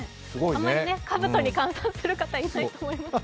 あまり、かぶとに換算する人、いないと思いますけど。